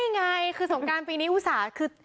ไงคือสงการปีนี้อุตส่าห์คือ